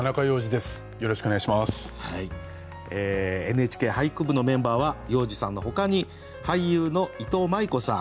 「ＮＨＫ俳句部」のメンバーは要次さんのほかに俳優のいとうまい子さん